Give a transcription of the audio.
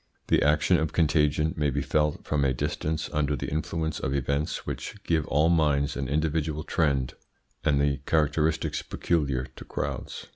The action of contagion may be felt from a distance under the influence of events which give all minds an individual trend and the characteristics peculiar to crowds.